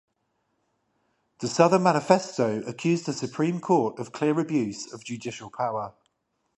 The Southern Manifesto accused the Supreme Court of clear abuse of judicial power.